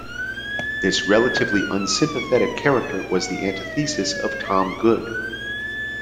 This relatively unsympathetic character was the antithesis of Tom Good.